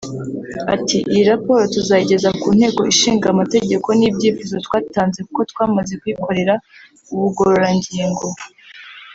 ati “Iyi raporo tuzayigeza ku Nteko Ishinga Amategeko n’ibyifuzo twatanze kuko twamaze kuyikorera ubugororangingo